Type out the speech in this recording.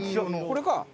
これか。